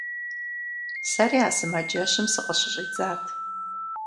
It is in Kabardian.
Сэри а сымаджэщым сыкъыщыщӏидзат.